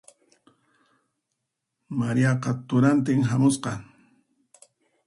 Mariaqa turantin hamusqa.